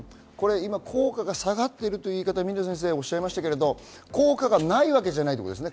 効果が下がっているとおっしゃいましたが、効果がないわけじゃないということですね。